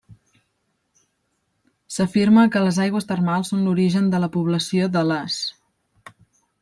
S'afirma que les aigües termals són l'origen de la població de Les.